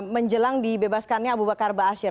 menjelang dibebaskannya abu bakar ba'asyir